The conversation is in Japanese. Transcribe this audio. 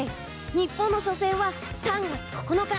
日本の初戦は、３月９日。